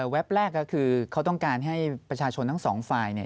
แป๊บแรกก็คือเขาต้องการให้ประชาชนทั้งสองฝ่ายเนี่ย